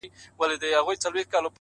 پيرې مريد دې يمه پيرې ستا پيري کومه!